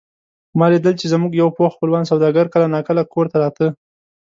ما لیدل چې زموږ یو پوخ خپلوان سوداګر کله نا کله کور ته راته.